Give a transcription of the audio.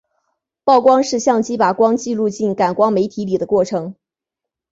曝光是相机把光记录进感光媒体里的过程。